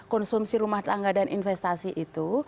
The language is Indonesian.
konsumsi rumah tangga dan investasi itu